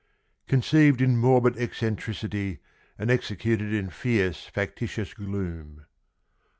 Conceived in morbid eccentricity and executed in fierce factitious gloom.